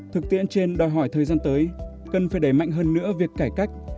thực tiễn trên đòi hỏi thời gian tới cần phải đẩy mạnh hơn nữa việc cải cách